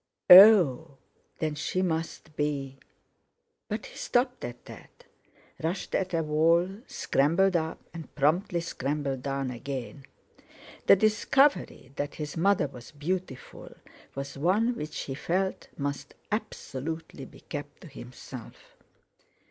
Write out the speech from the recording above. "Oh! Then she must be..." but he stopped at that, rushed at a wall, scrambled up, and promptly scrambled down again. The discovery that his mother was beautiful was one which he felt must absolutely be kept to himself.